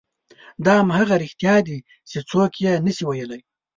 دا همغه رښتیا دي چې څوک یې نه شي ویلی.